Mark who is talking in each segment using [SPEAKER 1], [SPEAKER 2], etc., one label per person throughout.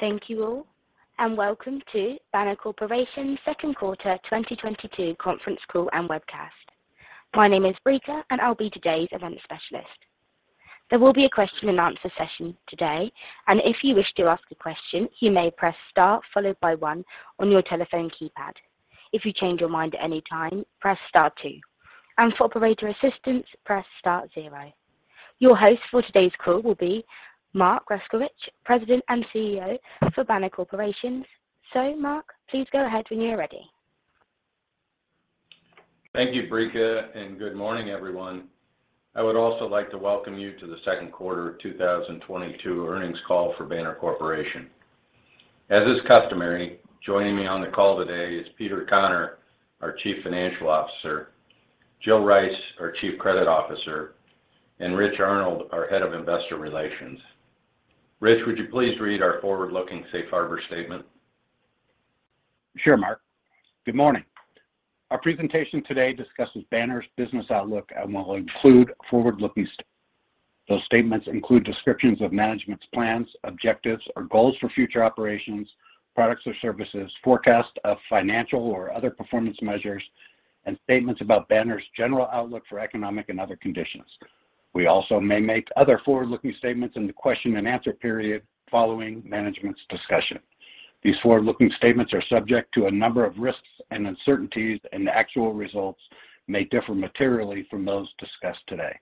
[SPEAKER 1] Thank you all, and welcome to Banner Corporation's second quarter 2022 conference call and webcast. My name is Brica, and I'll be today's event specialist. There will be a question and answer session today, and if you wish to ask a question, you may press star followed by one on your telephone keypad. If you change your mind at any time, press star two. For operator assistance, press star zero. Your host for today's call will be Mark Grescovich, President and CEO for Banner Corporation. Mark, please go ahead when you're ready.
[SPEAKER 2] Thank you, Brica, and good morning, everyone. I would also like to welcome you to the second quarter 2022 earnings call for Banner Corporation. As it's customary, joining me on the call today is Peter Conner, our Chief Financial Officer, Jill Rice, our Chief Credit Officer, and Rich Arnold, our Head of Investor Relations. Rich, would you please read our forward-looking safe harbor statement?
[SPEAKER 3] Sure, Mark. Good morning. Our presentation today discusses Banner's business outlook and will include forward-looking statements. Those statements include descriptions of management's plans, objectives, or goals for future operations, products or services, forecasts of financial or other performance measures, and statements about Banner's general outlook for economic and other conditions. We also may make other forward-looking statements in the question and answer period following management's discussion. These forward-looking statements are subject to a number of risks and uncertainties, and the actual results may differ materially from those discussed today.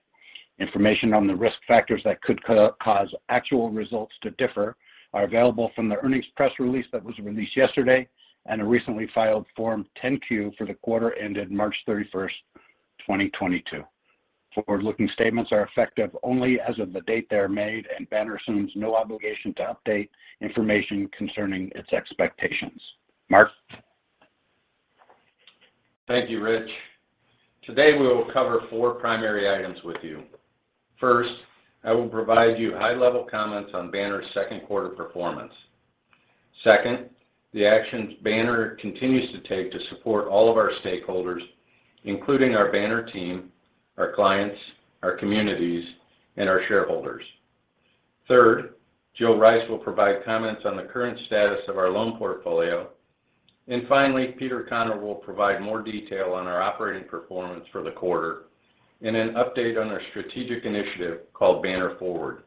[SPEAKER 3] Information on the risk factors that could cause actual results to differ are available from the earnings press release that was released yesterday and a recently filed Form 10-Q for the quarter ended March 31st, 2022. Forward-looking statements are effective only as of the date they are made, and Banner assumes no obligation to update information concerning its expectations. Mark.
[SPEAKER 2] Thank you, Rich. Today, we will cover four primary items with you. First, I will provide you high-level comments on Banner's second quarter performance. Second, the actions Banner continues to take to support all of our stakeholders, including our Banner team, our clients, our communities, and our shareholders. Third, Jill Rice will provide comments on the current status of our loan portfolio. Finally, Peter Conner will provide more detail on our operating performance for the quarter and an update on our strategic initiative called Banner Forward.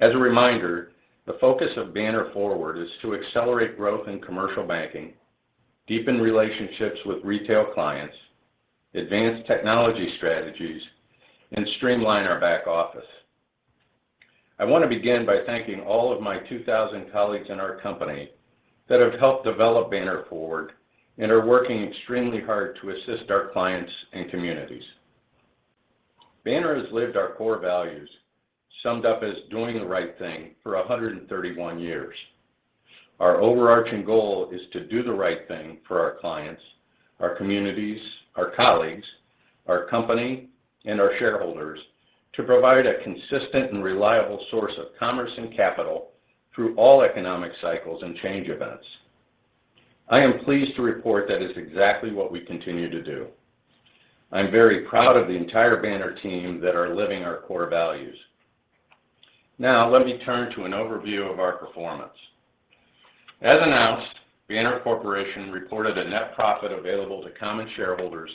[SPEAKER 2] As a reminder, the focus of Banner Forward is to accelerate growth in commercial banking, deepen relationships with retail clients, advance technology strategies, and streamline our back office. I want to begin by thanking all of my 2,000 colleagues in our company that have helped develop Banner Forward and are working extremely hard to assist our clients and communities. Banner has lived our core values, summed up as doing the right thing for 131 years. Our overarching goal is to do the right thing for our clients, our communities, our colleagues, our company, and our shareholders to provide a consistent and reliable source of commerce and capital through all economic cycles and change events. I am pleased to report that is exactly what we continue to do. I'm very proud of the entire Banner team that are living our core values. Now, let me turn to an overview of our performance. As announced, Banner Corporation reported a net profit available to common shareholders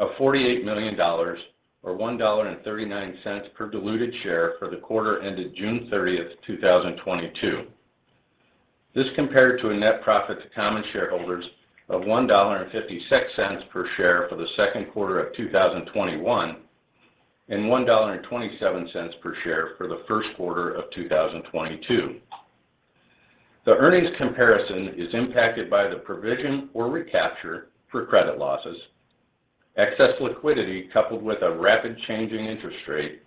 [SPEAKER 2] of $48 million or $1.39 per diluted share for the quarter ended June 30th, 2022. This compared to a net profit to common shareholders of $1.56 per share for the second quarter of 2021 and $1.27 per share for the first quarter of 2022. The earnings comparison is impacted by the provision or recapture for credit losses, excess liquidity coupled with a rapid change in interest rate,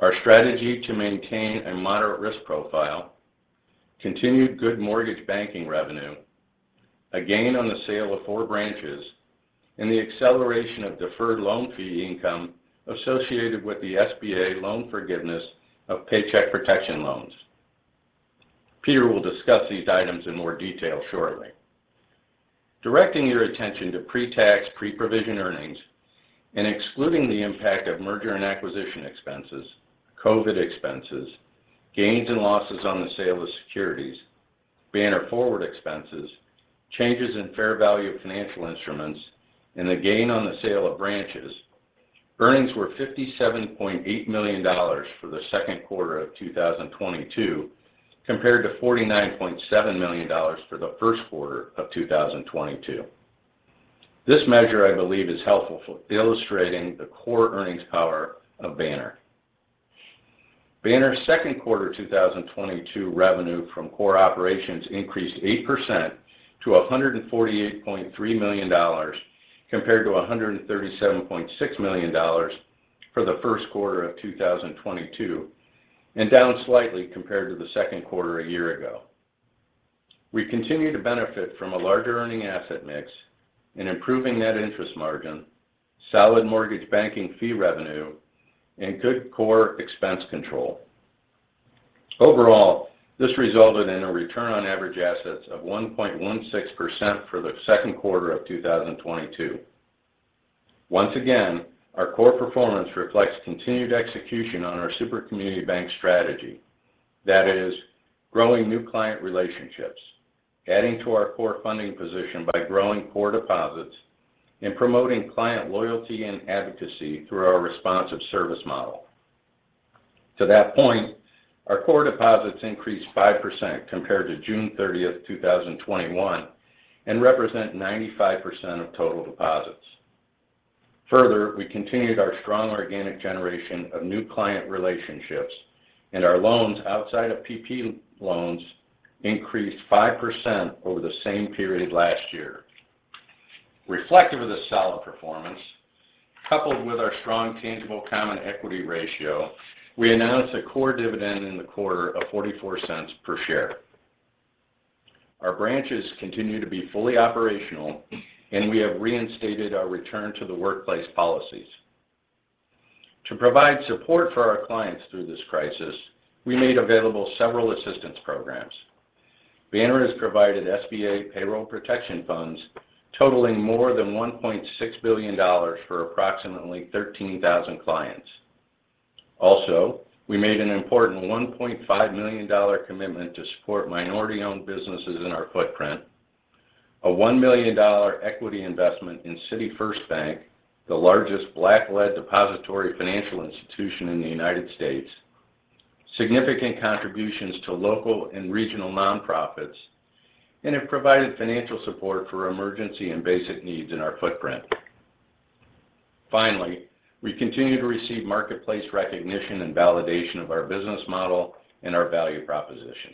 [SPEAKER 2] our strategy to maintain a moderate risk profile, continued good mortgage banking revenue, a gain on the sale of four branches, and the acceleration of deferred loan fee income associated with the SBA loan forgiveness of Paycheck Protection loans. Peter will discuss these items in more detail shortly. Directing your attention to pre-tax, pre-provision earnings and excluding the impact of merger and acquisition expenses, COVID expenses, gains and losses on the sale of securities, Banner Forward expenses, changes in fair value of financial instruments, and the gain on the sale of branches. Earnings were $57.8 million for the second quarter of 2022 compared to $49.7 million for the first quarter of 2022. This measure, I believe, is helpful for illustrating the core earnings power of Banner. Banner's second quarter 2022 revenue from core operations increased 8% to $148.3 million compared to $137.6 million for the first quarter of 2022 and down slightly compared to the second quarter a year ago. We continue to benefit from a larger earning asset mix, an improving net interest margin, solid mortgage banking fee revenue, and good core expense control. Overall, this resulted in a return on average assets of 1.16% for the second quarter of 2022. Once again, our core performance reflects continued execution on our super community bank strategy. That is growing new client relationships, adding to our core funding position by growing core deposits, and promoting client loyalty and advocacy through our responsive service model. To that point, our core deposits increased 5% compared to June 30th, 2021, and represent 95% of total deposits. Further, we continued our strong organic generation of new client relationships, and our loans outside of PPP loans increased 5% over the same period last year. Reflective of this solid performance, coupled with our strong tangible common equity ratio, we announced a core dividend in the quarter of $0.44 per share. Our branches continue to be fully operational and we have reinstated our return to the workplace policies. To provide support for our clients through this crisis, we made available several assistance programs. Banner has provided SBA Payroll Protection funds totaling more than $1.6 billion for approximately 13,000 clients. Also, we made an important $1.5 million commitment to support minority-owned businesses in our footprint. A $1 million equity investment in City First Bank, the largest Black-led depository financial institution in the United States, significant contributions to local and regional nonprofits, and have provided financial support for emergency and basic needs in our footprint. Finally, we continue to receive marketplace recognition and validation of our business model and our value proposition.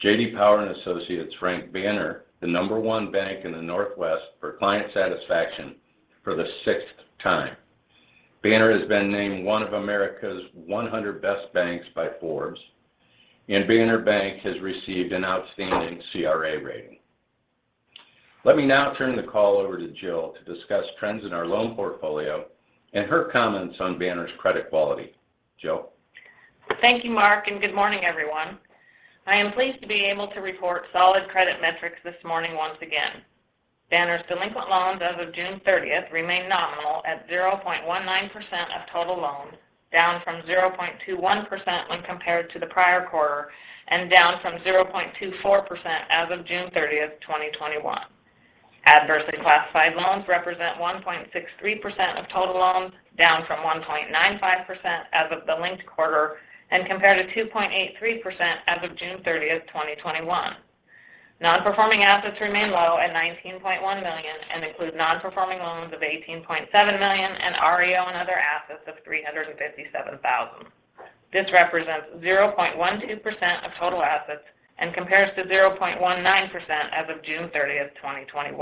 [SPEAKER 2] J.D. Power and Associates ranked Banner the number one bank in the Northwest for client satisfaction for the sixth time. Banner has been named one of America's one hundred best banks by Forbes, and Banner Bank has received an outstanding CRA rating. Let me now turn the call over to Jill to discuss trends in our loan portfolio and her comments on Banner's credit quality. Jill.
[SPEAKER 4] Thank you, Mark, and good morning, everyone. I am pleased to be able to report solid credit metrics this morning once again. Banner's delinquent loans as of June 30 remain nominal at 0.19% of total loans, down from 0.21% when compared to the prior quarter and down from 0.24% as of June 30th, 2021. Adversely classified loans represent 1.63% of total loans, down from 1.95% as of the linked quarter and compared to 2.83% as of June 30th, 2021. Non-performing assets remain low at $19.1 million and include non-performing loans of $18.7 million and REO and other assets of $357,000. This represents 0.12% of total assets and compares to 0.19% as of June 30th, 2021.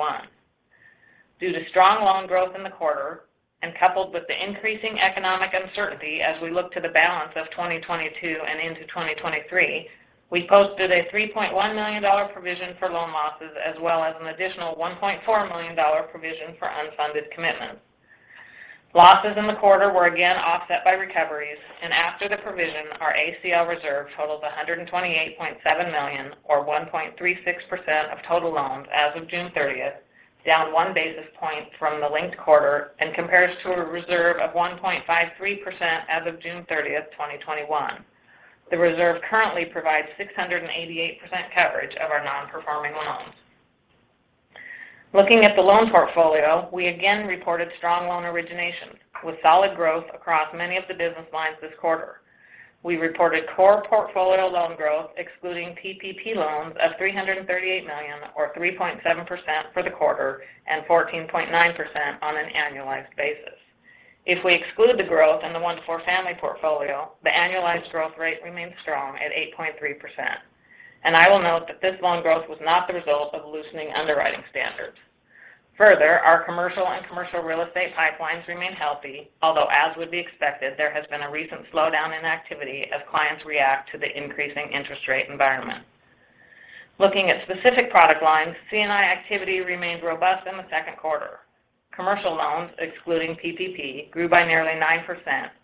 [SPEAKER 4] Due to strong loan growth in the quarter and coupled with the increasing economic uncertainty as we look to the balance of 2022 and into 2023, we posted a $3.1 million provision for loan losses as well as an additional $1.4 million provision for unfunded commitments. Losses in the quarter were again offset by recoveries and after the provision, our ACL reserve totals $128.7 million or 1.36% of total loans as of June 30th, down 1 basis point from the linked quarter and compares to a reserve of 1.53% as of June 30th, 2021. The reserve currently provides 688% coverage of our non-performing loans. Looking at the loan portfolio, we again reported strong loan originations with solid growth across many of the business lines this quarter. We reported core portfolio loan growth excluding PPP loans of $338 million or 3.7% for the quarter and 14.9% on an annualized basis. If we excluded the growth in the one-four family portfolio, the annualized growth rate remains strong at 8.3%. I will note that this loan growth was not the result of loosening underwriting standards. Further, our commercial and commercial real estate pipelines remain healthy. Although as would be expected, there has been a recent slowdown in activity as clients react to the increasing interest rate environment. Looking at specific product lines, C&I activity remained robust in the second quarter. Commercial loans, excluding PPP, grew by nearly 9%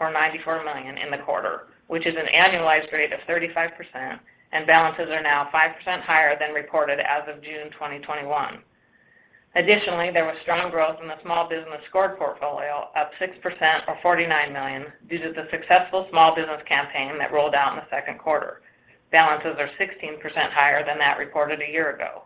[SPEAKER 4] or $94 million in the quarter, which is an annualized rate of 35%, and balances are now 5% higher than reported as of June 2021. Additionally, there was strong growth in the small business scored portfolio, up 6% or $49 million due to the successful small business campaign that rolled out in the second quarter. Balances are 16% higher than that reported a year ago.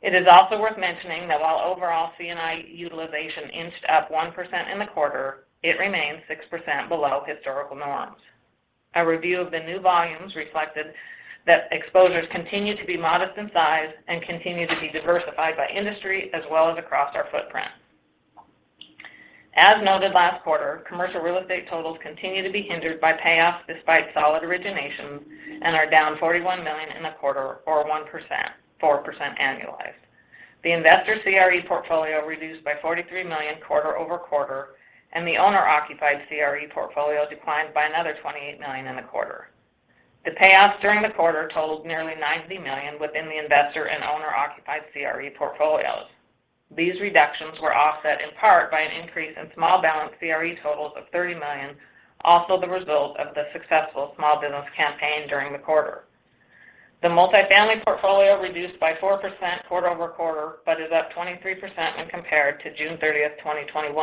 [SPEAKER 4] It is also worth mentioning that while overall C&I utilization inched up 1% in the quarter, it remains 6% below historical norms. A review of the new volumes reflected that exposures continue to be modest in size and continue to be diversified by industry as well as across our footprint. As noted last quarter, commercial real estate totals continue to be hindered by payoffs despite solid originations and are down $41 million in the quarter or 1%-4% annualized. The investor CRE portfolio reduced by $43 million quarter over quarter, and the owner-occupied CRE portfolio declined by another $28 million in the quarter. The payoffs during the quarter totaled nearly $90 million within the investor and owner-occupied CRE portfolios. These reductions were offset in part by an increase in small balance CRE totals of $30 million, also the result of the successful small business campaign during the quarter. The multifamily portfolio reduced by 4% quarter over quarter, but is up 23% when compared to June 30, 2021.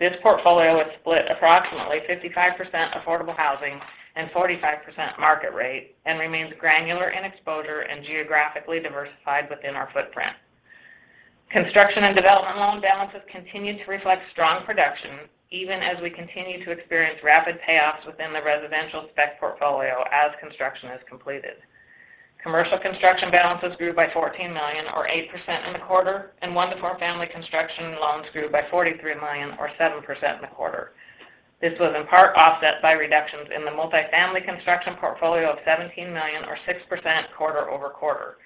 [SPEAKER 4] This portfolio is split approximately 55% affordable housing and 45% market rate and remains granular in exposure and geographically diversified within our footprint. Construction and development loan balances continue to reflect strong production even as we continue to experience rapid payoffs within the residential spec portfolio as construction is completed. Commercial construction balances grew by $14 million or 8% in the quarter, and one-four family construction loans grew by $43 million or 7% in the quarter. This was in part offset by reductions in the multifamily construction portfolio of $17 million or 6% quarter-over-quarter.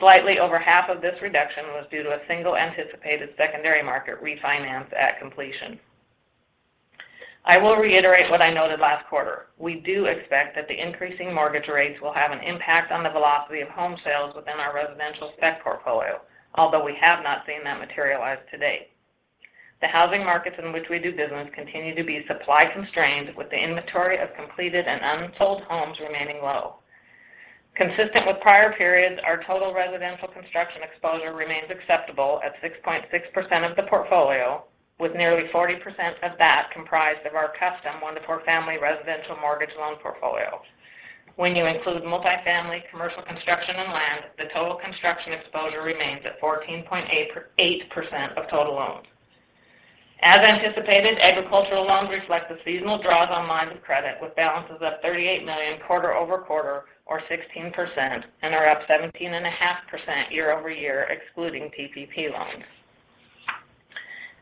[SPEAKER 4] Slightly over half of this reduction was due to a single anticipated secondary market refinance at completion. I will reiterate what I noted last quarter. We do expect that the increasing mortgage rates will have an impact on the velocity of home sales within our residential spec portfolio. Although we have not seen that materialize to date. The housing markets in which we do business continue to be supply constrained, with the inventory of completed and unsold homes remaining low. Consistent with prior periods, our total residential construction exposure remains acceptable at 6.6% of the portfolio, with nearly 40% of that comprised of our custom one-four family residential mortgage loan portfolios. When you include multifamily commercial construction and land, the total construction exposure remains at 14.8% of total loans. As anticipated, agricultural loans reflect the seasonal draws on lines of credit, with balances up $38 million quarter-over-quarter or 16% and are up 17.5% year-over-year, excluding PPP loans.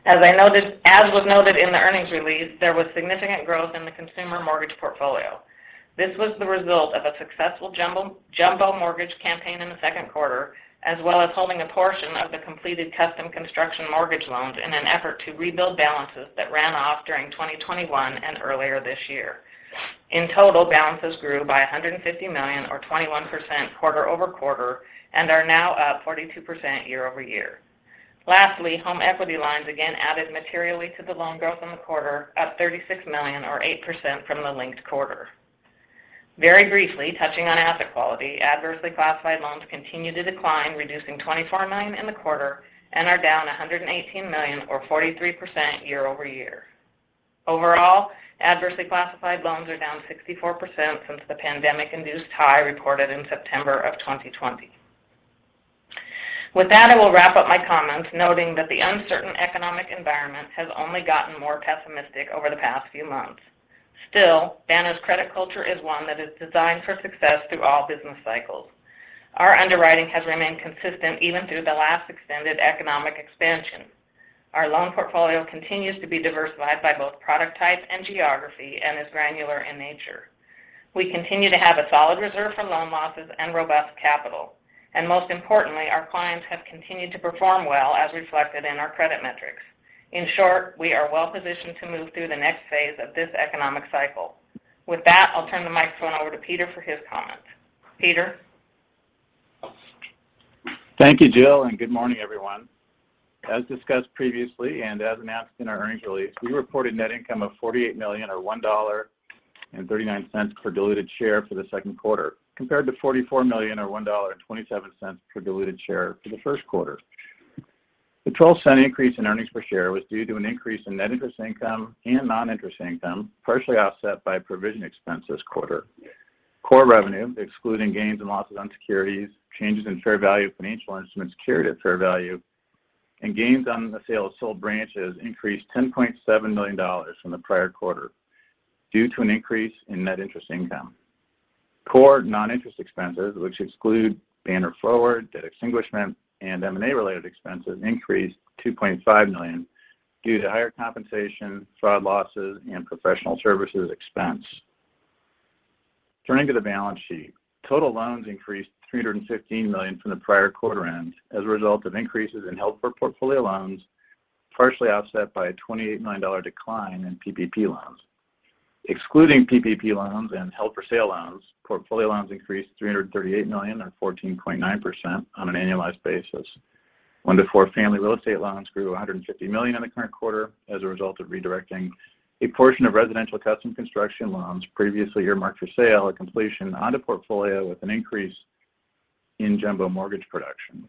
[SPEAKER 4] As was noted in the earnings release, there was significant growth in the consumer mortgage portfolio. This was the result of a successful jumbo mortgage campaign in the second quarter, as well as holding a portion of the completed custom construction mortgage loans in an effort to rebuild balances that ran off during 2021 and earlier this year. In total, balances grew by $150 million or 21% quarter-over-quarter and are now up 42% year-over-year. Lastly, home equity lines again added materially to the loan growth in the quarter, up $36 million or 8% from the linked quarter. Very briefly touching on asset quality. Adversely classified loans continued to decline, reducing $24 million in the quarter and are down $118 million or 43% year-over-year. Overall, adversely classified loans are down 64% since the pandemic-induced high reported in September of 2020. With that, I will wrap up my comments, noting that the uncertain economic environment has only gotten more pessimistic over the past few months. Still, Banner's credit culture is one that is designed for success through all business cycles. Our underwriting has remained consistent even through the last extended economic expansion. Our loan portfolio continues to be diversified by both product type and geography and is granular in nature. We continue to have a solid reserve for loan losses and robust capital, and most importantly, our clients have continued to perform well as reflected in our credit metrics. In short, we are well positioned to move through the next phase of this economic cycle. With that, I'll turn the microphone over to Peter for his comments. Peter.
[SPEAKER 5] Thank you, Jill, and good morning, everyone. As discussed previously and as announced in our earnings release, we reported net income of $48 million, or $1.39 per diluted share for the second quarter, compared to $44 million or $1.27 per diluted share for the first quarter. The 12-cent increase in earnings per share was due to an increase in net interest income and non-interest income, partially offset by provision expense this quarter. Core revenue, excluding gains and losses on securities, changes in fair value of financial instruments carried at fair value, and gains on the sale of sold branches increased $10.7 million from the prior quarter due to an increase in net interest income. Core non-interest expenses, which exclude Banner Forward, debt extinguishment and M&A related expenses, increased $2.5 million due to higher compensation, fraud losses and professional services expense. Turning to the balance sheet. Total loans increased $315 million from the prior quarter-end as a result of increases in held-for-portfolio loans, partially offset by a $28 million decline in PPP loans. Excluding PPP loans and held-for-sale loans, portfolio loans increased $338 million, or 14.9% on an annualized basis. one-four family real estate loans grew $150 million in the current quarter as a result of redirecting a portion of residential custom construction loans previously earmarked for sale at completion onto portfolio with an increase in jumbo mortgage production.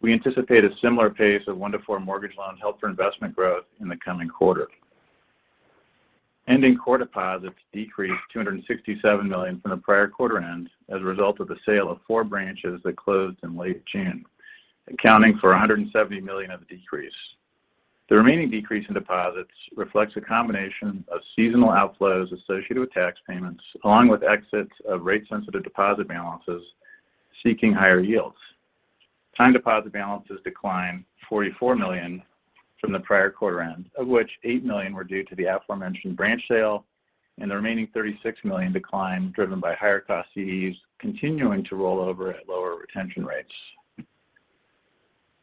[SPEAKER 5] We anticipate a similar pace of 1%-4% mortgage loan held for investment growth in the coming quarter. Ending quarter deposits decreased $267 million from the prior quarter end as a result of the sale of four branches that closed in late June, accounting for $170 million of the decrease. The remaining decrease in deposits reflects a combination of seasonal outflows associated with tax payments, along with exits of rate sensitive deposit balances seeking higher yields. Time deposit balances declined $44 million from the prior quarter end, of which $8 million were due to the aforementioned branch sale and the remaining $36 million decline driven by higher cost CDs continuing to roll over at lower retention rates.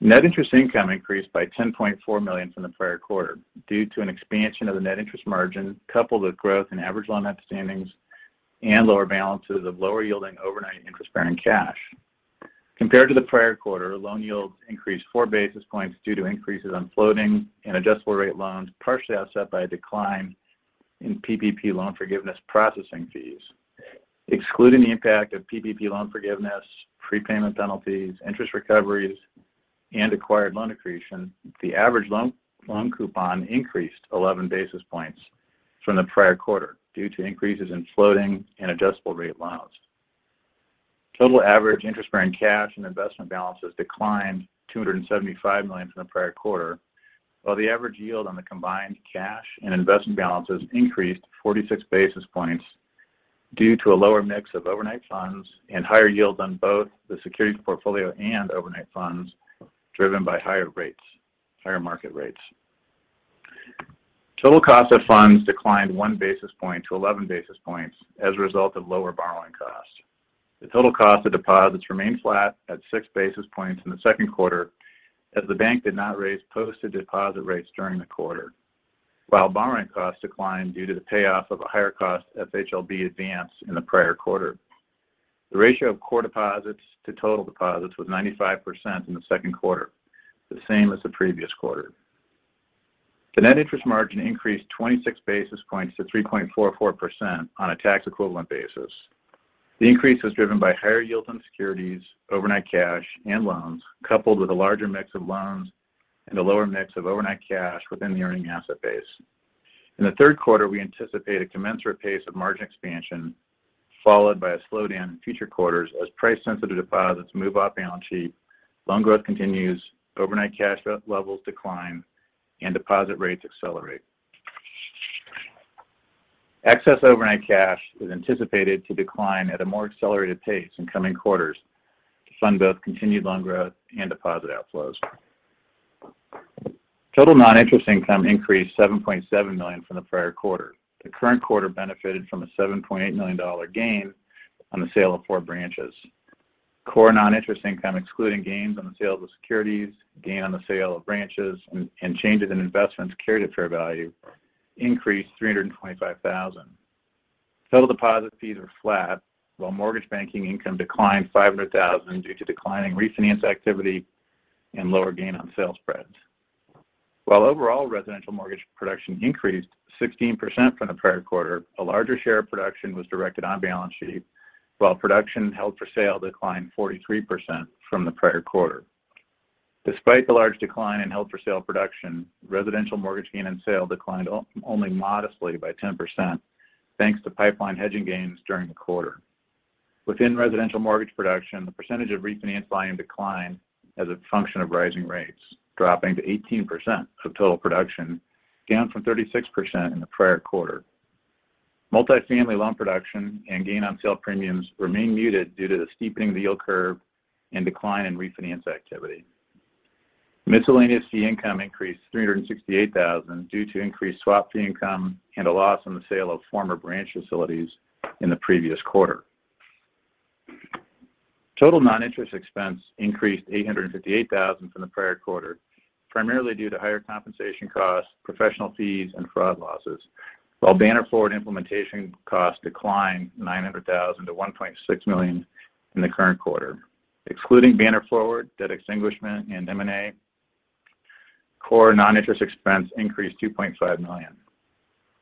[SPEAKER 5] Net interest income increased by $10.4 million from the prior quarter due to an expansion of the net interest margin, coupled with growth in average loan balances and lower balances of lower yielding overnight interest bearing cash. Compared to the prior quarter, loan yields increased 4 basis points due to increases on floating and adjustable-rate loans, partially offset by a decline in PPP loan forgiveness processing fees. Excluding the impact of PPP loan forgiveness, prepayment penalties, interest recoveries, and acquired loan accretion, the average loan coupon increased 11 basis points from the prior quarter due to increases in floating and adjustable-rate loans. Total average interest-bearing cash and investment balances declined $275 million from the prior quarter, while the average yield on the combined cash and investment balances increased 46 basis points due to a lower mix of overnight funds and higher yields on both the securities portfolio and overnight funds driven by higher rates, higher market rates. Total cost of funds declined 1 basis point to 11 basis points as a result of lower borrowing costs. The total cost of deposits remained flat at 6 basis points in the second quarter, as the bank did not raise posted deposit rates during the quarter, while borrowing costs declined due to the payoff of a higher cost FHLB advance in the prior quarter. The ratio of core deposits to total deposits was 95% in the second quarter, the same as the previous quarter. The net interest margin increased 26 basis points to 3.44% on a tax-equivalent basis. The increase was driven by higher yields on securities, overnight cash, and loans, coupled with a larger mix of loans and a lower mix of overnight cash within the earning asset base. In the third quarter, we anticipate a commensurate pace of margin expansion followed by a slowdown in future quarters as price-sensitive deposits move off the balance sheet, loan growth continues, overnight cash levels decline, and deposit rates accelerate. Excess overnight cash is anticipated to decline at a more accelerated pace in coming quarters to fund both continued loan growth and deposit outflows. Total non-interest income increased $7.7 million from the prior quarter. The current quarter benefited from a $7.8 million gain on the sale of four branches. Core non-interest income, excluding gains on the sale of securities, gain on the sale of branches, and changes in investments carried at fair value, increased $325,000. Total deposit fees were flat, while mortgage banking income declined $500,000 due to declining refinance activity and lower gain on sale spreads. While overall residential mortgage production increased 16% from the prior quarter, a larger share of production was directed on balance sheet, while production held for sale declined 43% from the prior quarter. Despite the large decline in held-for-sale production, residential mortgage gain on sale declined only modestly by 10%, thanks to pipeline hedging gains during the quarter. Within residential mortgage production, the percentage of refinancing declined as a function of rising rates, dropping to 18% of total production, down from 36% in the prior quarter. Multifamily loan production and gain on sale premiums remain muted due to the steepening of the yield curve and decline in refinance activity. Miscellaneous fee income increased $368,000 due to increased swap fee income and a loss on the sale of former branch facilities in the previous quarter. Total non-interest expense increased $858,000 from the prior quarter, primarily due to higher compensation costs, professional fees, and fraud losses. While Banner Forward implementation costs declined $900,000 to $1.6 million in the current quarter. Excluding Banner Forward, debt extinguishment, and M&A, core non-interest expense increased $2.5 million.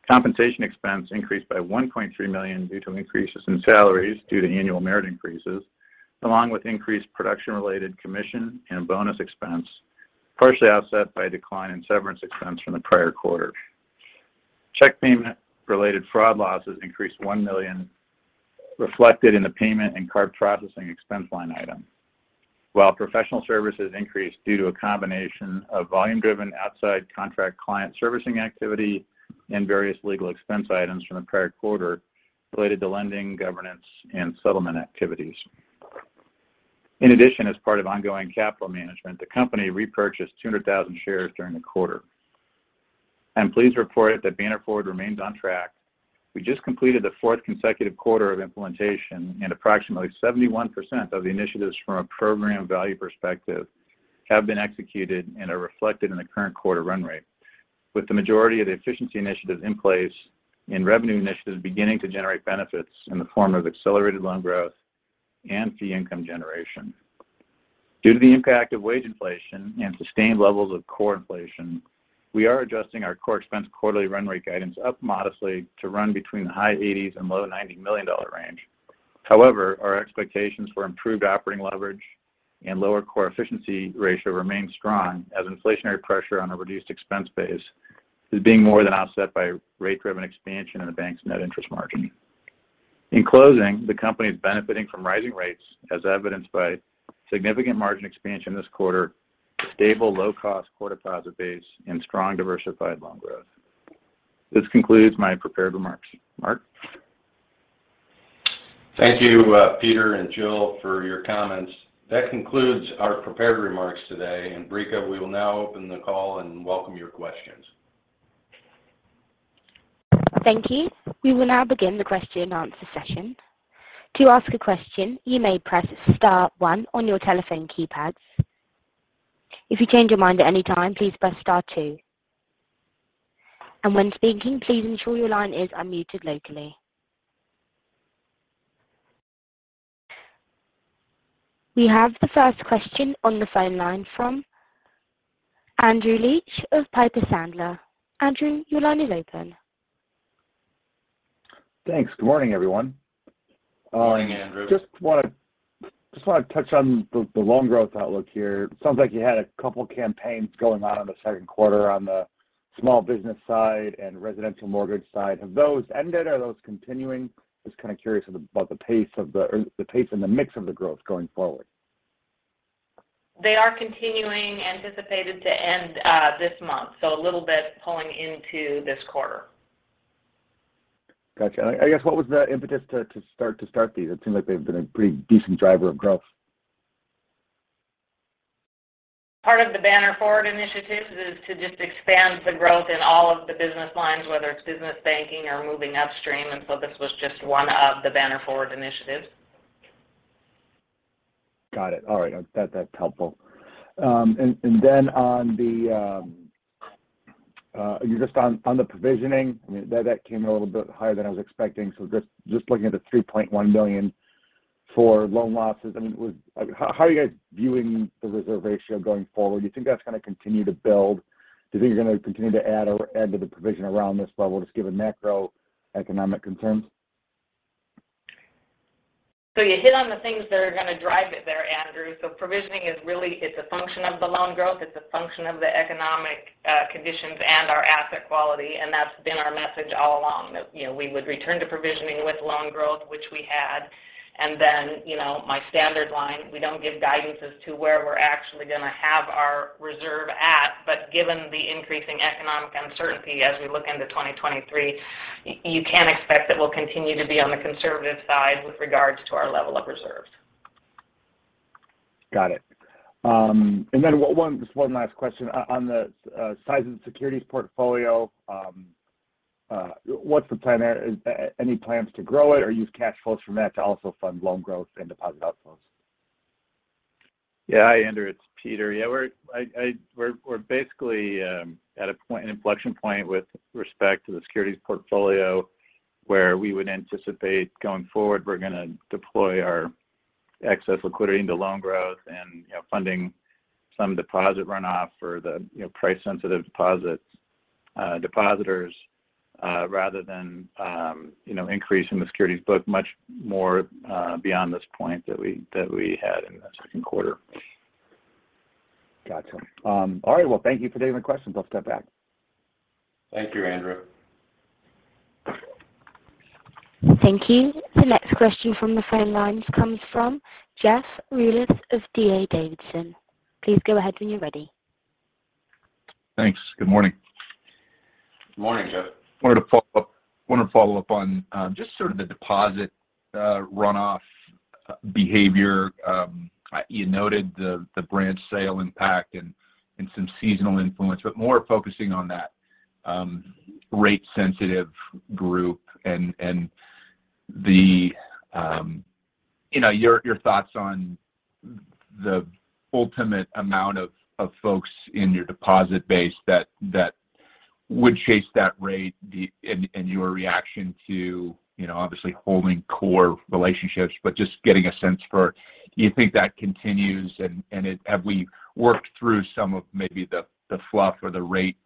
[SPEAKER 5] Compensation expense increased by $1.3 million due to increases in salaries due to annual merit increases, along with increased production-related commission and bonus expense, partially offset by a decline in severance expense from the prior quarter. Check payment-related fraud losses increased $1 million, reflected in the payment and card processing expense line item. While professional services increased due to a combination of volume-driven outside contract client servicing activity and various legal expense items from the prior quarter related to lending, governance, and settlement activities. In addition, as part of ongoing capital management, the company repurchased 200,000 shares during the quarter. I'm pleased to report that Banner Forward remains on track. We just completed the fourth consecutive quarter of implementation, and approximately 71% of the initiatives from a program value perspective have been executed and are reflected in the current quarter run rate, with the majority of the efficiency initiatives in place and revenue initiatives beginning to generate benefits in the form of accelerated loan growth and fee income generation. Due to the impact of wage inflation and sustained levels of core inflation, we are adjusting our core expense quarterly run rate guidance up modestly to run between the high $80 million and low $90 million range. However, our expectations for improved operating leverage and lower core efficiency ratio remain strong as inflationary pressure on a reduced expense base is being more than offset by rate-driven expansion in the bank's net interest margin. In closing, the company is benefiting from rising rates as evidenced by significant margin expansion this quarter, stable low-cost core deposit base, and strong diversified loan growth. This concludes my prepared remarks. Mark?
[SPEAKER 2] Thank you, Peter and Jill for your comments. That concludes our prepared remarks today. Brica, we will now open the call and welcome your questions.
[SPEAKER 1] Thank you. We will now begin the question and answer session. To ask a question, you may press star one on your telephone keypads. If you change your mind at any time, please press star two. When speaking, please ensure your line is unmuted locally. We have the first question on the phone line from Andrew Liesch of Piper Sandler. Andrew, your line is open.
[SPEAKER 6] Thanks. Good morning, everyone.
[SPEAKER 2] Morning, Andrew.
[SPEAKER 6] Just wanna touch on the loan growth outlook here. Sounds like you had a couple campaigns going on in the second quarter on the small business side and residential mortgage side. Have those ended? Are those continuing? Just kind of curious about, or the pace and the mix of the growth going forward.
[SPEAKER 4] They are continuing, anticipated to end this month, so a little bit pulling into this quarter.
[SPEAKER 6] Gotcha. I guess what was the impetus to start these? It seems like they've been a pretty decent driver of growth.
[SPEAKER 4] Part of the Banner Forward initiatives is to just expand the growth in all of the business lines, whether it's business banking or moving upstream. This was just one of the Banner Forward initiatives.
[SPEAKER 6] Got it. All right. That's helpful. On the provisioning, I mean, that came in a little bit higher than I was expecting. Just looking at the $3.1 million for loan losses. I mean, how are you guys viewing the reserve ratio going forward? You think that's gonna continue to build? Do you think you're gonna continue to add to the provision around this level, just given macroeconomic concerns?
[SPEAKER 4] You hit on the things that are gonna drive it there, Andrew. Provisioning is really, it's a function of the loan growth. It's a function of the economic conditions and our asset quality, and that's been our message all along that, you know, we would return to provisioning with loan growth, which we had. Then, you know, my standard line, we don't give guidance as to where we're actually gonna have our reserve at. Given the increasing economic uncertainty as we look into 2023, you can expect that we'll continue to be on the conservative side with regards to our level of reserves.
[SPEAKER 6] Got it. One last question. On the size of the securities portfolio, what's the plan there? Any plans to grow it or use cash flows from that to also fund loan growth and deposit outflows?
[SPEAKER 5] Yeah. Hi, Andrew, it's Peter. Yeah, we're basically at a point, an inflection point with respect to the securities portfolio where we would anticipate going forward, we're gonna deploy our excess liquidity into loan growth and, you know, funding some deposit runoff for the, you know, price-sensitive deposits, depositors, rather than, you know, increasing the securities book much more, beyond this point that we had in the second quarter.
[SPEAKER 6] Gotcha. All right. Well, thank you for taking the questions. I'll step back.
[SPEAKER 2] Thank you, Andrew.
[SPEAKER 1] Thank you. The next question from the phone line comes from Jeff Rulis of D.A. Davidson. Please go ahead when you're ready.
[SPEAKER 7] Thanks. Good morning.
[SPEAKER 2] Morning, Jeff.
[SPEAKER 7] Wanted to follow up on just sort of the deposit runoff behavior. You noted the branch sale impact and some seasonal influence, but more focusing on that rate-sensitive group and the you know your thoughts on the ultimate amount of folks in your deposit base that would chase that rate and your reaction to you know obviously holding core relationships, but just getting a sense for do you think that continues? Have we worked through some of maybe the fluff or the rate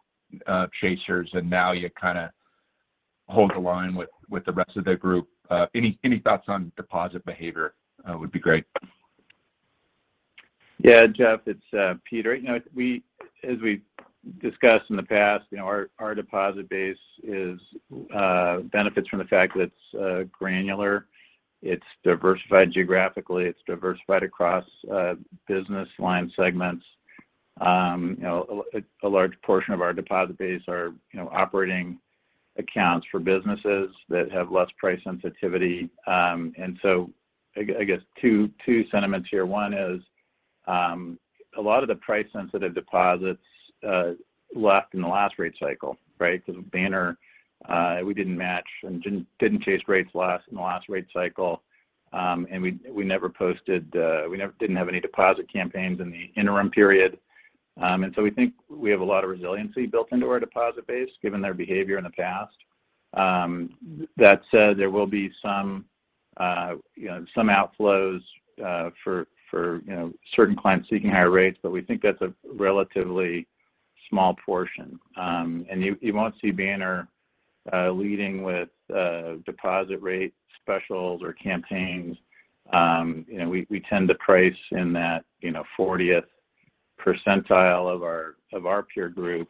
[SPEAKER 7] chasers and now you kinda hold the line with the rest of the group? Any thoughts on deposit behavior would be great.
[SPEAKER 5] Yeah. Jeff, it's Peter. You know, as we discussed in the past, you know, our deposit base benefits from the fact that it's granular. It's diversified geographically. It's diversified across business line segments. You know, a large portion of our deposit base are operating accounts for businesses that have less price sensitivity. I guess two sentiments here. One is, a lot of the price-sensitive deposits left in the last rate cycle, right? Because Banner, we didn't match and didn't chase rates in the last rate cycle. We never posted. We didn't have any deposit campaigns in the interim period. We think we have a lot of resiliency built into our deposit base given their behavior in the past. That said, there will be some, you know, some outflows, for, you know, certain clients seeking higher rates, but we think that's a relatively small portion. And you won't see Banner leading with deposit rate specials or campaigns. You know, we tend to price in that 40th percentile of our peer group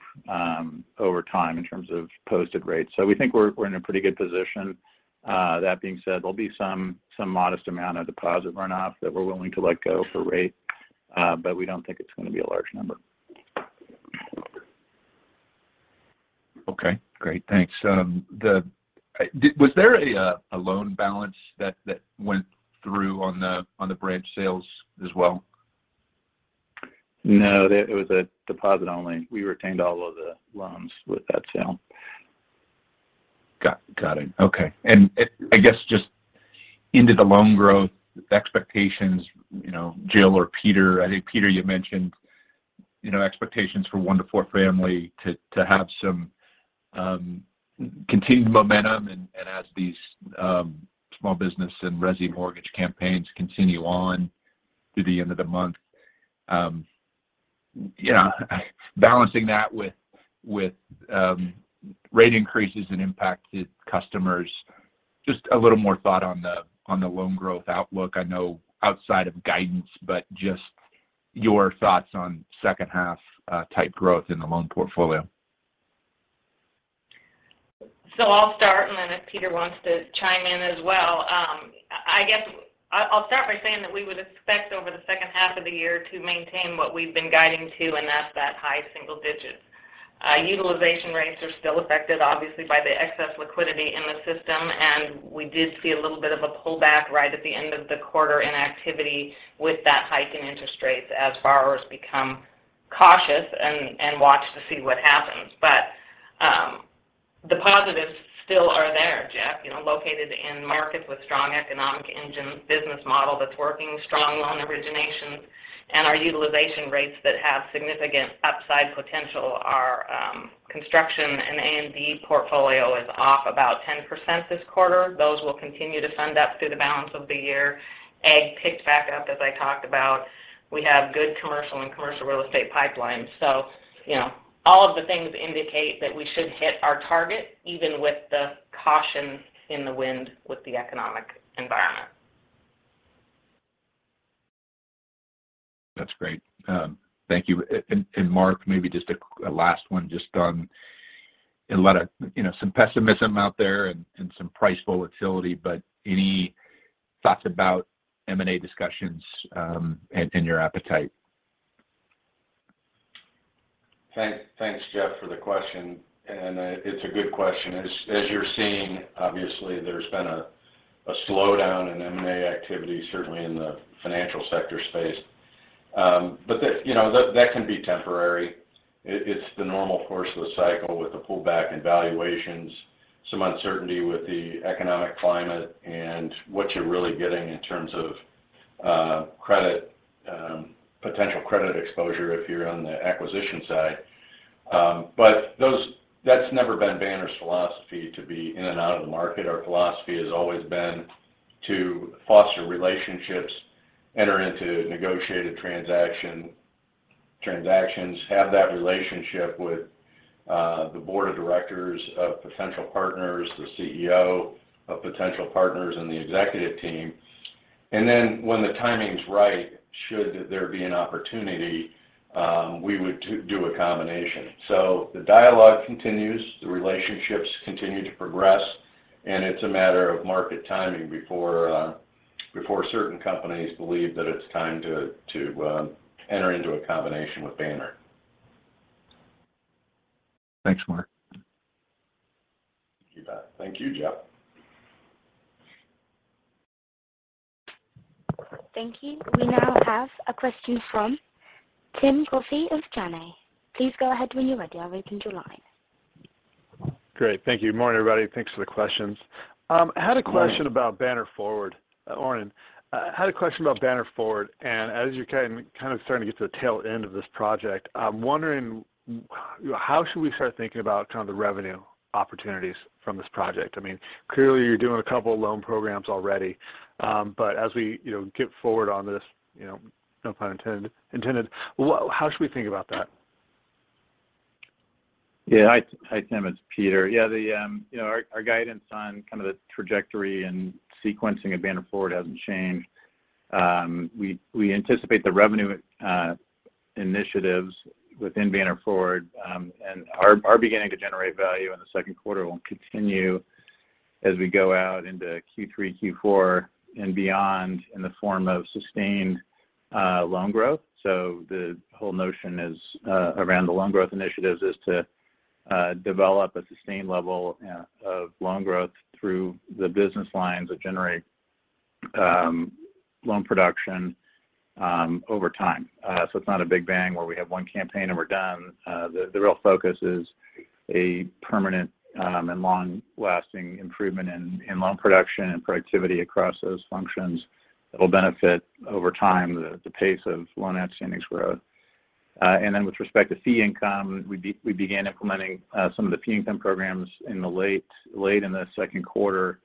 [SPEAKER 5] over time in terms of posted rates. So we think we're in a pretty good position. That being said, there'll be some modest amount of deposit runoff that we're willing to let go for rate, but we don't think it's gonna be a large number.
[SPEAKER 7] Okay, great. Thanks. Was there a loan balance that went through on the branch sales as well?
[SPEAKER 5] No. It was a deposit only. We retained all of the loans with that sale.
[SPEAKER 7] Got it. Okay. It, I guess just into the loan growth expectations, you know, Jill or Peter, I think Peter, you mentioned, you know, expectations for one-four family to have some continued momentum and as these small business and resi-mortgage campaigns continue on through the end of the month. You know, balancing that with rate increases and impacted customers. Just a little more thought on the loan growth outlook. I know outside of guidance, but just your thoughts on second half type growth in the loan portfolio.
[SPEAKER 4] I'll start, and then if Peter wants to chime in as well. I guess I'll start by saying that we would expect over the second half of the year to maintain what we've been guiding to, and that's high single digits. Utilization rates are still affected obviously by the excess liquidity in the system, and we did see a little bit of a pullback right at the end of the quarter in activity with that hike in interest rates as borrowers become cautious and watch to see what happens. The positives still are there, Jeff, you know, located in markets with strong economic engine business model that's working strong loan originations and our utilization rates that have significant upside potential. Our construction and A&D portfolio is off about 10% this quarter. Those will continue to send up through the balance of the year. And picked back up, as I talked about. We have good commercial and commercial real estate pipelines. You know, all of the things indicate that we should hit our target even with the caution in the wind with the economic environment.
[SPEAKER 7] That's great. Thank you. Mark, maybe just a last one just on a lot of, you know, some pessimism out there and some price volatility, but any thoughts about M&A discussions and your appetite?
[SPEAKER 2] Thanks Jeff for the question, it's a good question. As you're seeing, obviously there's been a slowdown in M&A activity, certainly in the financial sector space. But that, you know, that can be temporary. It's the normal course of the cycle with the pullback in valuations, some uncertainty with the economic climate and what you're really getting in terms of credit, potential credit exposure if you're on the acquisition side. But that's never been Banner's philosophy to be in and out of the market. Our philosophy has always been to foster relationships, enter into negotiated transactions, have that relationship with the board of directors of potential partners, the CEO of potential partners and the executive team. Then when the timing's right, should there be an opportunity, we would do a combination. The dialogue continues, the relationships continue to progress, and it's a matter of market timing before certain companies believe that it's time to enter into a combination with Banner.
[SPEAKER 7] Thanks, Mark.
[SPEAKER 2] You bet. Thank you, Jeff.
[SPEAKER 1] Thank you. We now have a question from Tim Coffey of Janney. Please go ahead when you're ready. I'll open your line.
[SPEAKER 8] Great. Thank you. Morning, everybody. Thanks for the questions. Had a question about Banner Forward. I had a question about Banner Forward, and as you're kind of starting to get to the tail end of this project, I'm wondering how should we start thinking about kind of the revenue opportunities from this project? I mean, clearly you're doing a couple of loan programs already. As we, you know, get forward on this, you know, no pun intended, how should we think about that?
[SPEAKER 5] Hi, Tim. It's Peter. The you know, our guidance on kind of the trajectory and sequencing at Banner Forward hasn't changed. We anticipate the revenue initiatives within Banner Forward and are beginning to generate value in the second quarter will continue as we go out into Q3, Q4 and beyond in the form of sustained loan growth. The whole notion is around the loan growth initiatives is to develop a sustained level of loan growth through the business lines that generate loan production over time. It's not a big bang where we have one campaign and we're done. The real focus is a permanent and long-lasting improvement in loan production and productivity across those functions that will benefit over time the pace of loan outstanding growth. With respect to fee income, we began implementing some of the fee income programs late in the second quarter.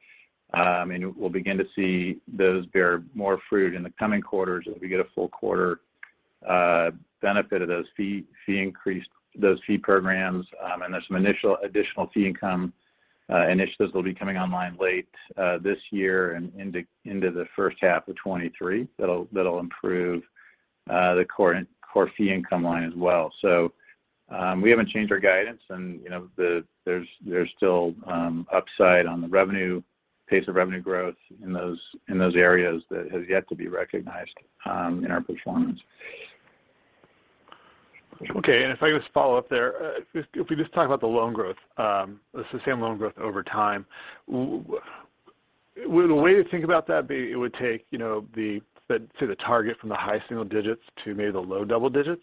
[SPEAKER 5] We'll begin to see those bear more fruit in the coming quarters as we get a full quarter benefit of those fee programs. There's some initial additional fee income initiatives that'll be coming online late this year and into the first half of 2023 that'll improve the core fee income line as well. We haven't changed our guidance and, you know, there's still upside on the revenue, pace of revenue growth in those areas that has yet to be recognized in our performance.
[SPEAKER 8] Okay. If I just follow up there, if we just talk about the loan growth, the sustained loan growth over time, would a way to think about that be it would take, you know, the target from the high single digits to maybe the low double digits?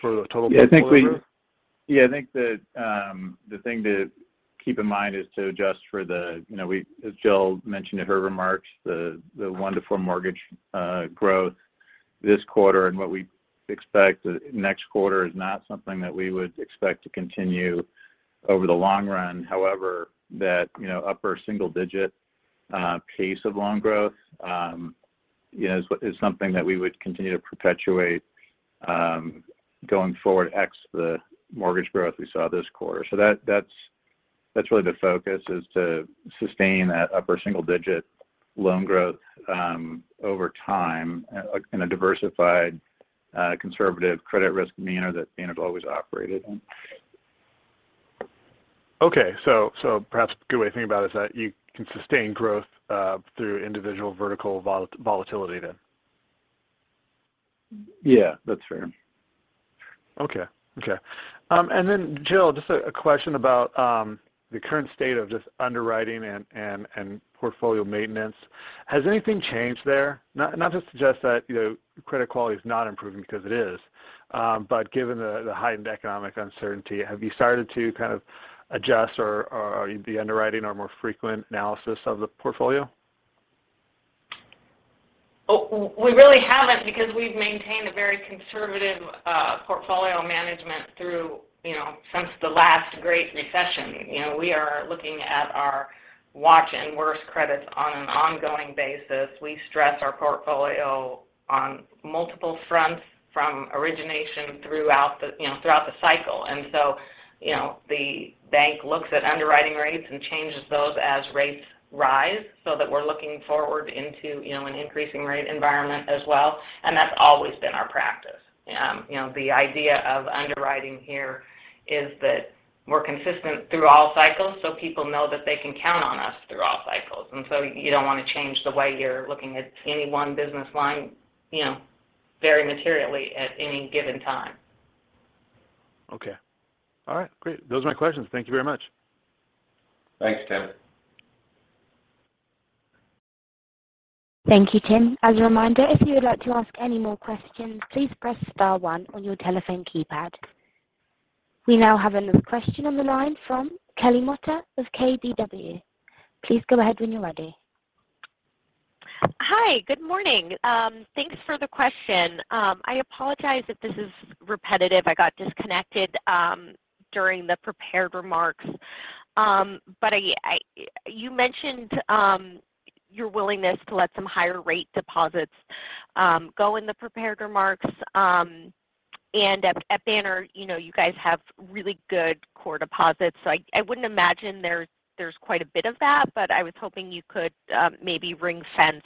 [SPEAKER 8] For the total portfolio?
[SPEAKER 5] Yeah, I think that the thing to keep in mind is to adjust for the, you know, as Jill mentioned in her remarks, the one-four mortgage growth this quarter and what we expect next quarter is not something that we would expect to continue over the long run. However, that, you know, upper single digit pace of loan growth, you know, is something that we would continue to perpetuate going forward, x the mortgage growth we saw this quarter. That's really the focus, is to sustain that upper single digit loan growth over time in a diversified, conservative credit risk manner that Banner has always operated in.
[SPEAKER 8] Perhaps a good way to think about is that you can sustain growth through individual vertical volatility then.
[SPEAKER 5] Yeah, that's fair.
[SPEAKER 8] Okay. Then Jill, just a question about the current state of just underwriting and portfolio maintenance. Has anything changed there? Not to suggest that, you know, credit quality is not improving because it is, given the heightened economic uncertainty, have you started to kind of adjust or the underwriting or more frequent analysis of the portfolio?
[SPEAKER 4] We really haven't because we've maintained a very conservative portfolio management through, you know, since the last great recession. You know, we are looking at our watch and worse credits on an ongoing basis. We stress our portfolio on multiple fronts from origination throughout the, you know, throughout the cycle. You know, the bank looks at underwriting rates and changes those as rates rise so that we're looking forward into, you know, an increasing rate environment as well. That's always been our practice. You know, the idea of underwriting here is that we're consistent through all cycles, so people know that they can count on us through all cycles. You don't want to change the way you're looking at any one business line, you know, very materially at any given time.
[SPEAKER 8] Okay. All right, great. Those are my questions. Thank you very much.
[SPEAKER 5] Thanks, Tim.
[SPEAKER 1] Thank you, Tim. As a reminder, if you would like to ask any more questions, please press star one on your telephone keypad. We now have another question on the line from Kelly Motta of KBW. Please go ahead when you're ready.
[SPEAKER 9] Hi, good morning. Thanks for the question. I apologize if this is repetitive. I got disconnected during the prepared remarks. You mentioned your willingness to let some higher rate deposits go in the prepared remarks. At Banner, you know, you guys have really good core deposits. I wouldn't imagine there's quite a bit of that. I was hoping you could maybe ring-fence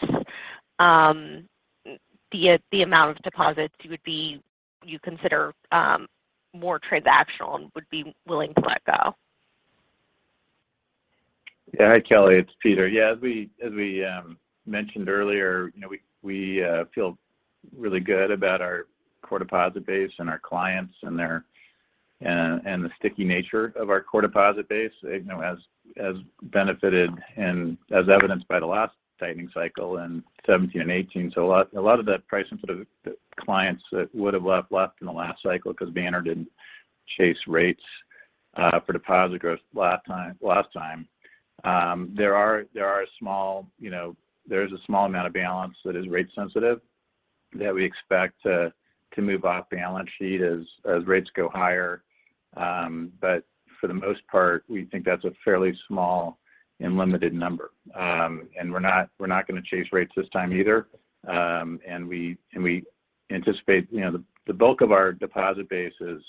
[SPEAKER 9] the amount of deposits you consider more transactional and would be willing to let go.
[SPEAKER 5] Yeah. Hi, Kelly. It's Peter. Yeah, as we mentioned earlier, you know, we feel really good about our core deposit base and our clients and their and the sticky nature of our core deposit base, you know, has benefited and as evidenced by the last tightening cycle in 2017 and 2018. A lot of that price input of clients that would have left in the last cycle because Banner didn't chase rates for deposit growth last time. You know, there is a small amount of balance that is rate sensitive that we expect to move-off balance sheet as rates go higher. But for the most part, we think that's a fairly small and limited number. We're not gonna chase rates this time either. We anticipate, you know, the bulk of our deposit base is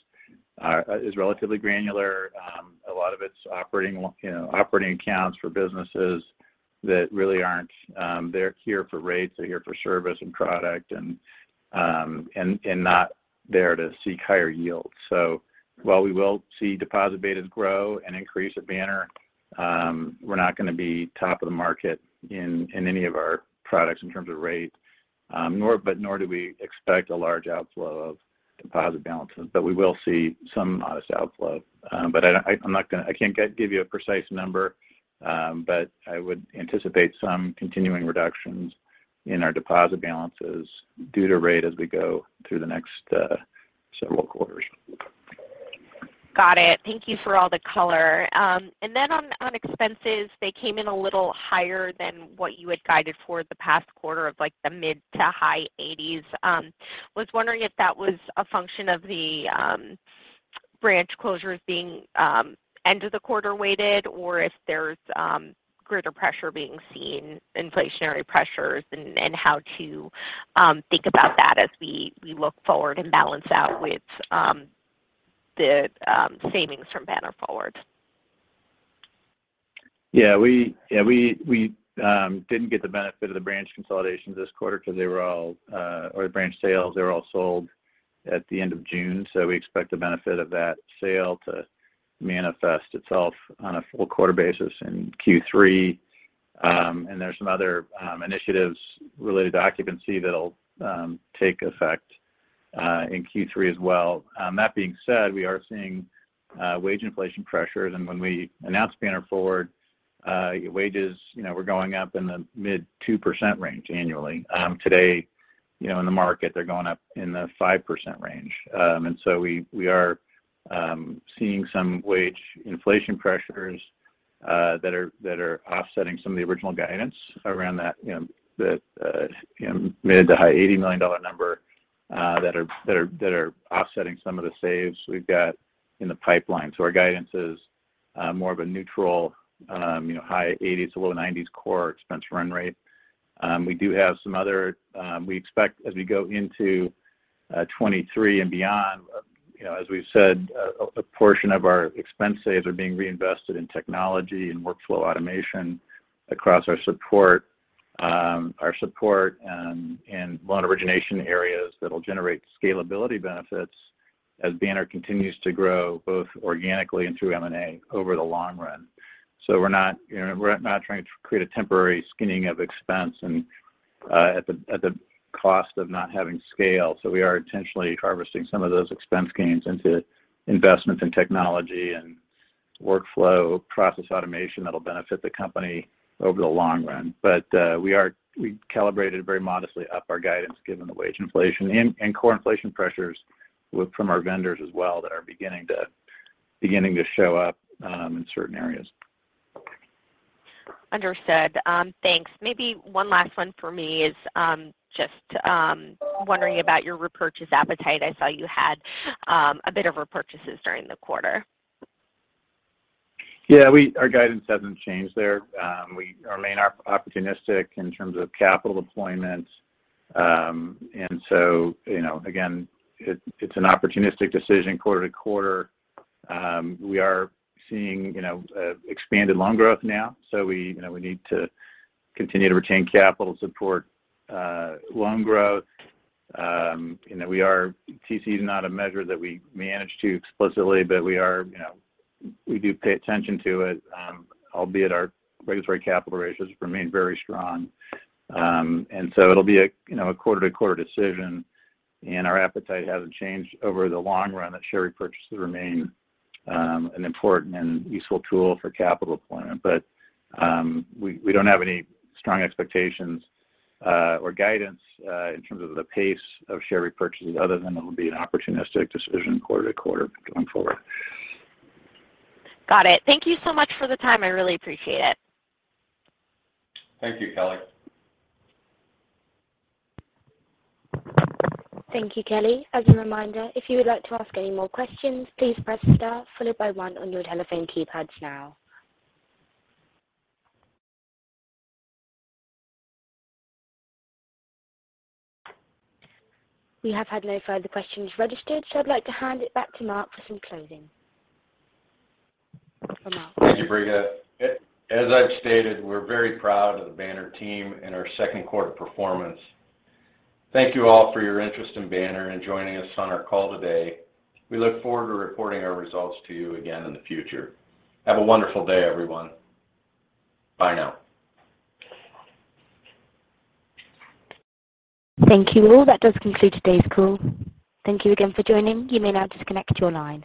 [SPEAKER 5] relatively granular. A lot of it's operating accounts, you know, for businesses that really aren't here for rates, they're here for service and product, and not there to seek higher yields. While we will see deposit betas grow and increase at Banner, we're not gonna be top of the market in any of our products in terms of rates. Nor do we expect a large outflow of deposit balances. We will see some modest outflow. I can't give you a precise number, but I would anticipate some continuing reductions in our deposit balances due to rate as we go through the next several quarters.
[SPEAKER 9] Got it. Thank you for all the color. And then on expenses, they came in a little higher than what you had guided for the past quarter of like the mid- to high 80s. Was wondering if that was a function of the branch closures being end of the quarter weighted or if there's greater pressure being seen, inflationary pressures and how to think about that as we look forward and balance out with the savings from Banner Forward.
[SPEAKER 5] We didn't get the benefit of the branch consolidation this quarter because they were all, or the branch sales, they were all sold at the end of June. We expect the benefit of that sale to manifest itself on a full quarter basis in Q3. There's some other initiatives related to occupancy that'll take effect in Q3 as well. That being said, we are seeing wage inflation pressures. When we announced Banner Forward, wages, you know, were going up in the mid-2% range annually. Today, you know, in the market, they're going up in the 5% range. We are seeing some wage inflation pressures that are offsetting some of the original guidance around that, you know, that you know, mid- to high $80 million number that are offsetting some of the saves we've got in the pipeline. Our guidance is more of a neutral, you know, high $80s-low $90s core expense run rate. We expect as we go into 2023 and beyond, you know, as we've said, a portion of our expense saves are being reinvested in technology and workflow automation across our support and loan origination areas that'll generate scalability benefits as Banner continues to grow both organically and through M&A over the long run. We're not, you know, we're not trying to create a temporary skimming of expense and at the cost of not having scale. We are intentionally harvesting some of those expense gains into investments in technology and workflow process automation that'll benefit the company over the long run. We calibrated very modestly up our guidance given the wage inflation and core inflation pressures from our vendors as well that are beginning to show up in certain areas.
[SPEAKER 9] Understood. Thanks. Maybe one last one for me is just wondering about your repurchase appetite. I saw you had a bit of repurchases during the quarter.
[SPEAKER 5] Yeah, our guidance hasn't changed there. We remain opportunistic in terms of capital deployment. You know, again, it's an opportunistic decision quarter-to-quarter. We are seeing, you know, expanded loan growth now, so we, you know, we need to continue to retain capital to support loan growth. TCE is not a measure that we manage explicitly, but we are, you know, we do pay attention to it. Albeit our regulatory capital ratios remain very strong. It'll be a quarter-to-quarter decision, you know, and our appetite hasn't changed over the long run that share repurchases remain an important and useful tool for capital deployment. We don't have any strong expectations or guidance in terms of the pace of share repurchases other than it'll be an opportunistic decision quarter-to-quarter going forward.
[SPEAKER 9] Got it. Thank you so much for the time. I really appreciate it.
[SPEAKER 5] Thank you, Kelly.
[SPEAKER 1] Thank you, Kelly. As a reminder, if you would like to ask any more questions, please press star followed by one on your telephone keypads now. We have had no further questions registered, so I'd like to hand it back to Mark for some closing. Over to Mark.
[SPEAKER 2] Thank you, Brica. As I've stated, we're very proud of the Banner team and our second quarter performance. Thank you all for your interest in Banner and joining us on our call today. We look forward to reporting our results to you again in the future. Have a wonderful day, everyone. Bye now.
[SPEAKER 1] Thank you all. That does conclude today's call. Thank you again for joining. You may now disconnect your line.